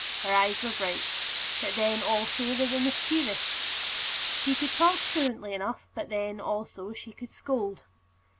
Her eyes were bright; but then, also, they were mischievous. She could talk fluently enough; but then, also, she could scold.